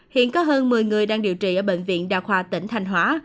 hiện có hơn một mươi người đang điều trị ở bệnh viện đa khoa tỉnh thanh hóa